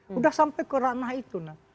sudah sampai ke ranah itu